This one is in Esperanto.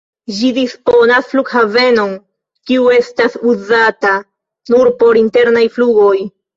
Ĝi disponas flughavenon, kiu estas uzata nur por internaj flugoj.